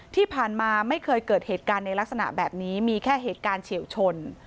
ที่ผ่านมาไม่เคยเกิดเหตุการณ์ในลักษณะแบบนี้มีแค่เหตุการณ์เฉียวชน